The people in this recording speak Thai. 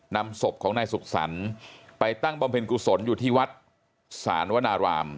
นำศพของนายสุขสรรค์ไปตั้งบำเพ็ญกุศลอยู่ที่วัดศาลวนาราม